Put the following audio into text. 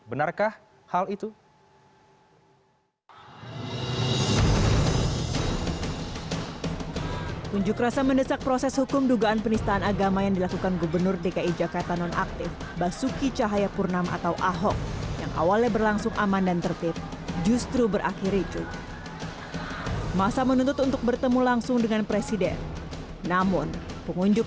benarkah hal itu